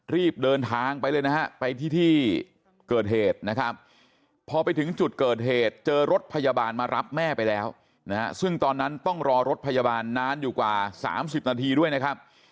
รีบเดินทางไปเลยนะฮะไปที่ที่เกิดเหตุนะครับพอไปถึงจุดเกิดเหตุเจอรถพยาบาลมารับแม่ไปแล้วนะฮะซึ่งตอนนั้นต้องรอรถพยาบาลนานอยู่กว่า๓๐นาทีด้วยนะครับ